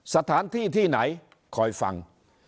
สถานที่ที่ไหนคอยฟัง